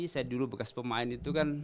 saya dulu bekas pemain itu kan